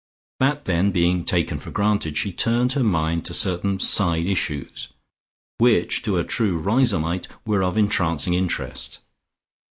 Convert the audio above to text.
That then being taken for granted, she turned her mind to certain side issues, which to a true Riseholmite were of entrancing interest.